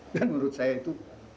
dan menurut saya itu